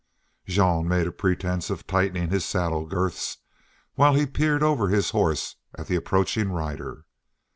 Jean made a pretense of tightening his saddle girths while he peered over his horse at the approaching rider.